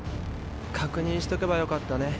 確認しとけばよかったね。